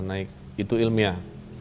naik itu ilmiah